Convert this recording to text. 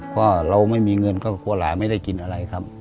เพราะเราไม่มีเงินก็กลัวหลานไม่ได้กินอะไรครับ